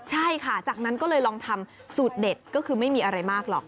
ใช่ค่ะจากนั้นก็เลยลองทำสูตรเด็ดก็คือไม่มีอะไรมากหรอก